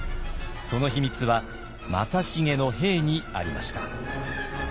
その秘密は正成の兵にありました。